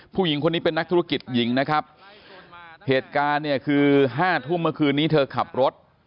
ผู้หญิงคนนี้เป็นนักธุรกิจหญิงนะครับเหตุการณ์เนี่ยคือห้าทุ่มเมื่อคืนนี้เธอขับรถ